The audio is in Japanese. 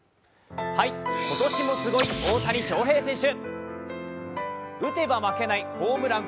今年もすごい大谷翔平選手。